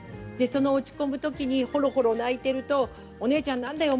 落ち込むときにほろほろ泣いているとお姉ちゃんなんだよ